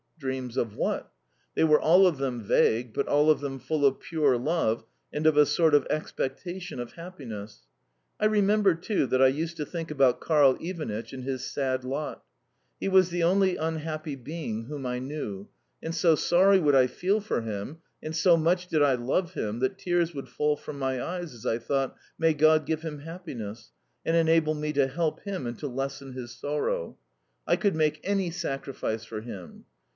Dreams of what? They were all of them vague, but all of them full of pure love and of a sort of expectation of happiness. I remember, too, that I used to think about Karl Ivanitch and his sad lot. He was the only unhappy being whom I knew, and so sorry would I feel for him, and so much did I love him, that tears would fall from my eyes as I thought, "May God give him happiness, and enable me to help him and to lessen his sorrow. I could make any sacrifice for him!"